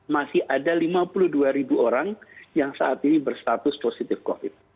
masih ada lima puluh dua ribu orang yang saat ini berstatus positif covid